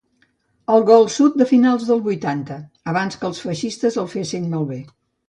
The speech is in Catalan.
El gol sud de final dels vuitanta, abans que els feixistes el fessin malbé.